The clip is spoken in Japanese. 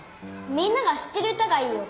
みんなが知ってる歌がいいよ。